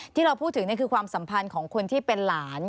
ที่เราพูดถึงคือความสัมพันธ์ของคนที่เป็นหลาน